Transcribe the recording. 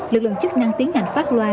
lực lượng chức năng tiến hành phát loa